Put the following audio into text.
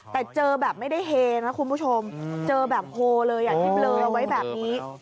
แต่เจอแบบไม่ได้เฮนะคุณผู้ชมเจอแบบโฮเลยอ่ะที่เบลอเอาไว้แบบนี้